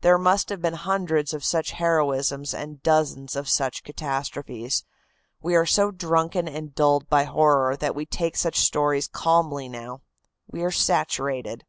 There must have been hundreds of such heroisms and dozens of such catastrophes. We are so drunken and dulled by horror that we take such stories calmly now. We are saturated."